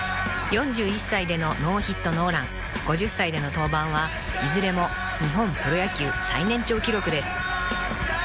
［４１歳でのノーヒットノーラン５０歳での登板はいずれも日本プロ野球最年長記録です］